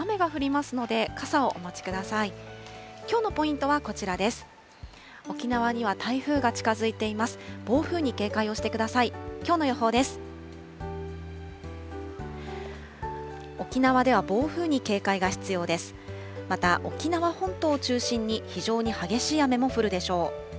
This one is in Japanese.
また、沖縄本島を中心に非常に激しい雨も降るでしょう。